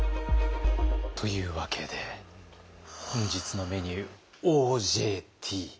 というわけで本日のメニュー「ＯＪＴ」。